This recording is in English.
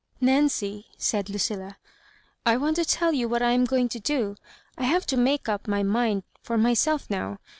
"Nancy," said Lucilla, "I want to tell you what I am going to do. I have to make up my mind for myself now.